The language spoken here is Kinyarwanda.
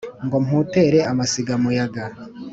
Ngo mputere amasiga muyaga